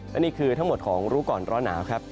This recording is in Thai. และนี่คือทั้งหมดของรู้ก่อนร้อนหนาวครับ